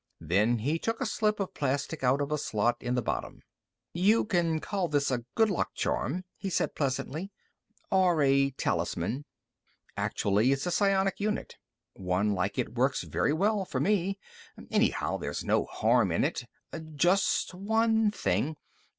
Then he took a slip of plastic out of a slot in the bottom. "You can call this a good luck charm," he said pleasantly, "or a talisman. Actually it's a psionic unit. One like it works very well, for me. Anyhow there's no harm in it. Just one thing.